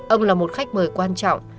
ông là một khách mời quan trọng